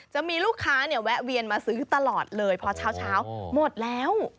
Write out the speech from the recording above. จะมีลูกค้าเนี่ยแวะเวียนมาซื้อตลอดเลยพอเช้าหมดแล้ว